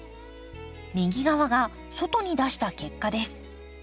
右側が外に出した結果です。